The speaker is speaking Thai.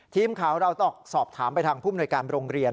ทีมข่าวเราต้องสอบถามไปทางผู้มนวยการโรงเรียน